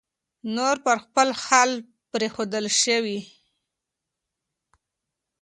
نور پر خپل حال پرېښودل شوی